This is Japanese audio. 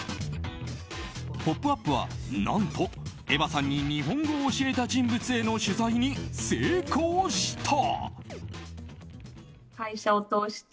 「ポップＵＰ！」は、何とエヴァさんに日本語を教えた人物への取材に成功した。